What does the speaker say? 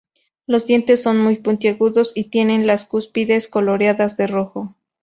Los dientes son muy puntiagudos y tienen las cúspides coloreadas de rojo.